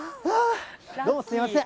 どうもすみません。